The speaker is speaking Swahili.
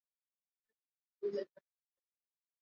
msako huo umefanyika jana mjini kigali